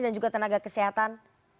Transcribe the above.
dan juga tenaga kesehatan